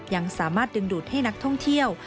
ยังสามารถดึงดูดให้นักท่องเที่ยว